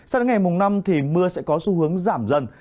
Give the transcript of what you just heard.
sao đến ngày mùng năm thì mưa sẽ có xu hướng giảm dần